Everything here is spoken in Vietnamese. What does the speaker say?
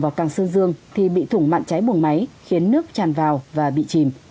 vào càng sơn dương thì bị thủng mặn cháy buồng máy khiến nước tràn vào và bị chìm